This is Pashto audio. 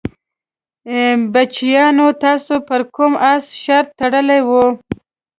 بچیانو تاسې پر کوم اس شرط تړلی وو؟